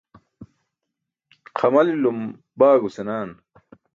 Xamalilum baago senaan.